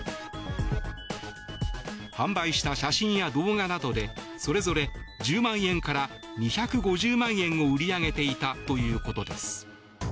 販売した写真や動画などでそれぞれ１０万円から２５０万円を売り上げていたということです。